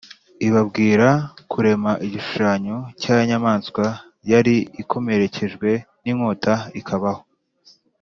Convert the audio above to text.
ibabwira kurema igishushanyo cya ya nyamaswa yari ikomerekejwe n’inkota ikabaho.